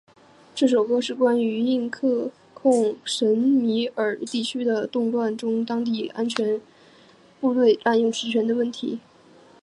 这首歌是关于印控克什米尔地区的动乱中当地安全部队滥用职权的问题。